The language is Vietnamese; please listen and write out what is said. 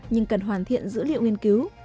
nhưng cần hoàn thiện dữ liệu nghiên cứu